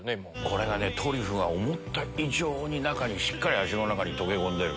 これがトリュフが思った以上に味の中に溶け込んでる。